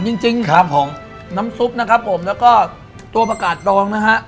จริงจริงครับผมน้ำซุปนะครับผมแล้วก็ตัวประกาศดองนะฮะ